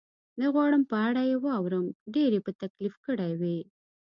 نه غواړم په اړه یې واورم، ډېر یې په تکلیف کړی وې؟